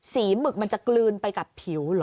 หมึกมันจะกลืนไปกับผิวเหรอ